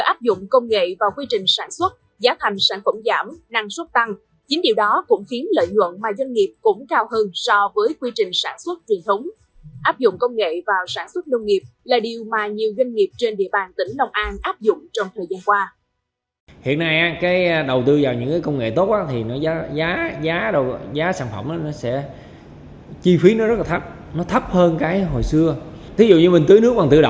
áp dụng công nghệ vào sản xuất nông nghiệp là điều mà nhiều doanh nghiệp trên địa bàn tỉnh nông an áp dụng trong thời gian qua